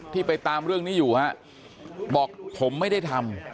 ไปตามเรื่องนี้อยู่ฮะบอกผมไม่ได้ทำ